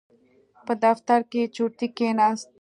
په دفتر کې چورتي کېناست.